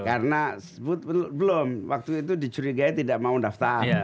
karena belum waktu itu dicurigai tidak mau daftar